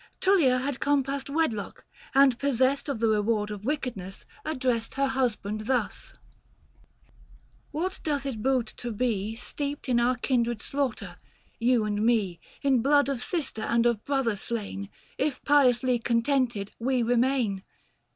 Tullia had compassed wedlock, and possessed Of the reward of wickedness, addressed Book VI. THE FASTI. 199 Her husband thus : 710 "What doth it boot to be Steeped in our kindred slaughter, you and me, In blood of sister and of brother slain, If piously contented we remain